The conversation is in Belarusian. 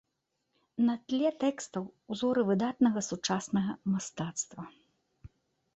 На тле тэкстаў узоры выдатнага сучаснага мастацтва.